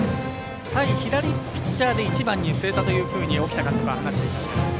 対左ピッチャーで１番に据えたというふうに沖田監督は話していました。